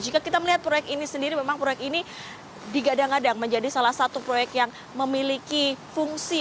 jika kita melihat proyek ini sendiri memang proyek ini digadang gadang menjadi salah satu proyek yang memiliki fungsi